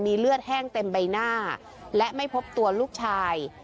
เลือดแห้งเต็มใบหน้าและไม่พบตัวลูกชาย